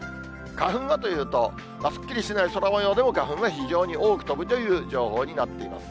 花粉はというと、すっきりしない空もようでも、花粉は非常に多く飛ぶという情報になっています。